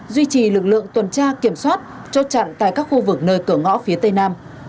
duy trì lực lượng tuần tra kiểm soát chốt chặn tại các khu vực nơi cửa ngõ phía tây nam